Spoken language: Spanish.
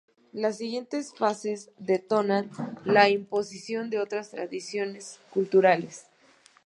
Las siguientes fases denotan la imposición de otras tradiciones culturales.